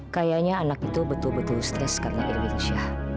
kayaknya anak itu betul betul stres karena irwin syah